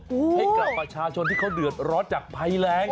ให้กับประชาชนนาที่เดือดร้อนจากไพแหลง